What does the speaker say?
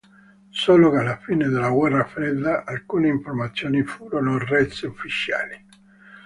Solo con la fine della Guerra Fredda alcune informazioni furono rese ufficiali.